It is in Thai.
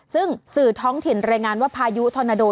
ซึ่งสื่อท้องถิ่นรายงานว่าพายุธอนาโด